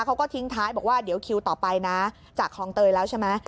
เขาก็ทิ้งท้ายบอกว่าเดี๋ยวคิวต่อไปนะจากคลองเตยแล้วใช่ไหม